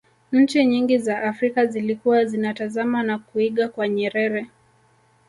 nchi nyingi za afrika zilikuwa zinatazama na kuiga kwa nyerere